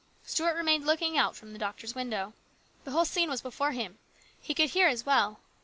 Stuart remained looking out from the doctor's window. The whole scene was before him. He could hear as well.